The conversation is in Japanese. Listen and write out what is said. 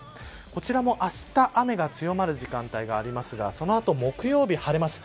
こちらもあした雨が強まる時間帯がありますがその後、木曜日は晴れます。